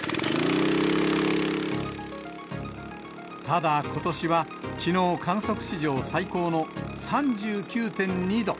ただ、ことしは、きのう観測史上最高の３９．２度。